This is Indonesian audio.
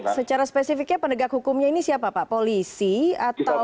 secara spesifiknya penegak hukumnya ini siapa pak polisi atau